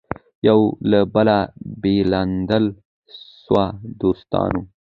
یو له بله بېلېدل سوه د دوستانو